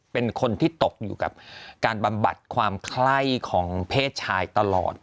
เป็นคนที่ตกอยู่กับการบำบัดความไข้ของเพศชายตลอด